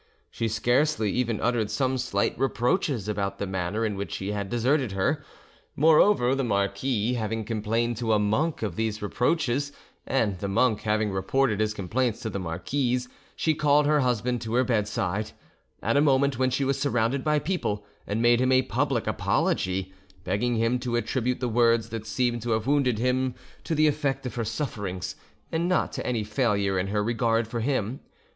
She scarcely even uttered some slight reproaches about the manner in which he had deserted her; moreover, the marquis having complained to a monk of these reproaches, and the monk having reported his complaints to the marquise, she called her husband to her bedside, at a moment when she was surrounded by people, and made him a public apology, begging him to attribute the words that seemed to have wounded him to the effect of her sufferings, and not to any failure in her regard for him.